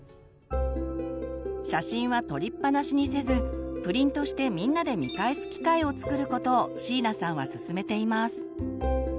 写真は撮りっぱなしにせずプリントしてみんなで見返す機会をつくることを椎名さんはすすめています。